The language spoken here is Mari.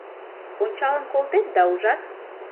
Ончалын колтет да ужат: